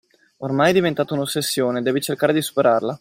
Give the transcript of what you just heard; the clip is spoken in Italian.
Ormai è diventata un'ossessione, devi cercare di superarla!